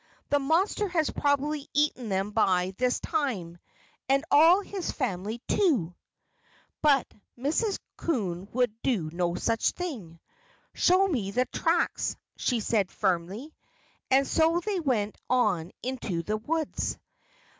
"The monster has probably eaten him by this time, and all his family, too." But Mrs. Coon would do no such thing. "Show me the tracks," she said firmly. And so they went on into the woods.